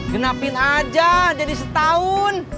genapin aja jadi setahun